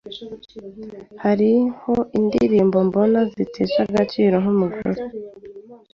Hariho indirimbo mbona zitesha agaciro nkumugore.